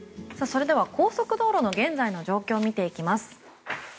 それでは高速道路の現在の状況を見ていきます。